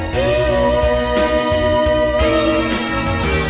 แน่แน่รู้เหรอ